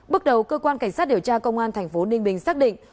bước đầu cơ quan cảnh sát điều tra công an thành phố ninh bình xác định